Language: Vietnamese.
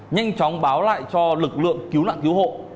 nhanh chóng báo lại cho lực lượng cứu nạn cứu hộ